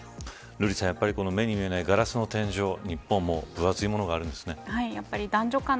瑠麗さん、目に見えないガラスの天井を日本も分厚いものがあるんですね。